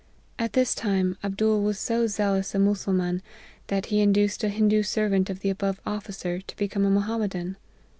At this time Abdool was so zealous a Mussulman, that he induced a Hindoo servant of the above officer to become a Mohammedan.